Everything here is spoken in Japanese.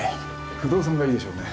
不動産がいいでしょうね